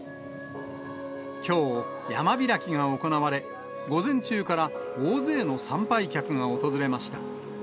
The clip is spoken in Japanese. きょう、山開きが行われ、午前中から大勢の参拝客が訪れました。